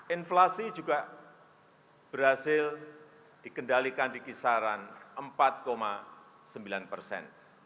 inflasi juga berhasil dikendalikan di kisaran empat sembilan persen